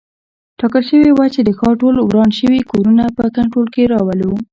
ټاکل شوي وه چې د ښار ټول وران شوي کورونه په کنټرول کې راولو.